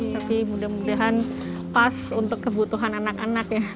tapi mudah mudahan pas untuk kebutuhan anak anak ya